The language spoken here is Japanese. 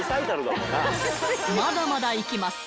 まだまだ行きます！